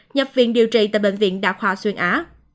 nhập viện điều trị tại bệnh viện đạp hòa xuyên á